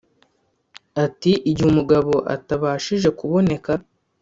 Ati “Igihe umugabo atabashije kuboneka